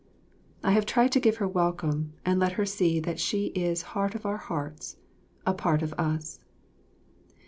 I have tried to give her welcome and let her see that she is heart of our hearts, a part of us.